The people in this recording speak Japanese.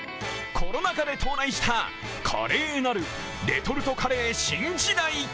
コロナ禍で到来した華麗なるレトルトカレー新時代。